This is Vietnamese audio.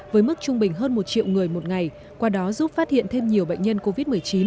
với mức trung bình hơn một triệu người một ngày qua đó giúp phát hiện thêm nhiều bệnh nhân covid một mươi chín